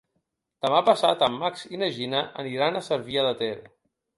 Demà passat en Max i na Gina aniran a Cervià de Ter.